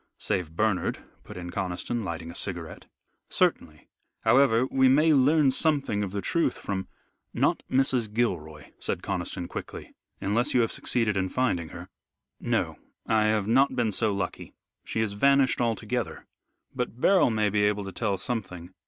"Save Bernard," put in Conniston, lighting a cigarette. "Certainly. However, we may learn something of the truth from " "Not Mrs. Gilroy," said Conniston quickly, "unless you have succeeded in finding her." "No, I have not been so lucky. She has vanished altogether. But Beryl may be able to tell something."